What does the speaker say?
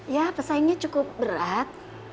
ya pesaingnya cukup berat